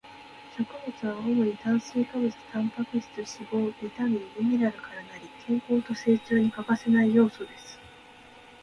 食物は主に炭水化物、タンパク質、脂肪、ビタミン、ミネラルから成り、健康と成長に欠かせない要素です